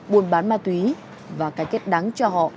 buôn bán má túy và cải kết đáng cho họ